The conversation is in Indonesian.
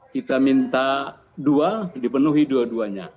kita minta dua dipenuhi dua duanya